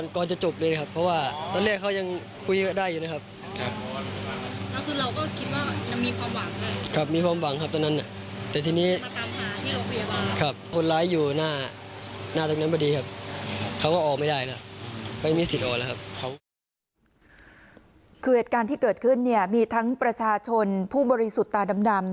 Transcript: คือเหตุการณ์ที่เกิดขึ้นเนี่ยมีทั้งประชาชนผู้บริสุทธิ์ตาดำ